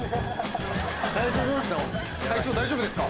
隊長大丈夫ですか？